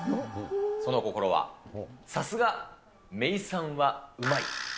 そのこころは、さすが、めいさんはうまい。